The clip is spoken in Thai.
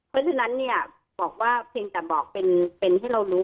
เพราะฉะนั้นเนี่ยบอกว่าเพียงแต่บอกเป็นให้เรารู้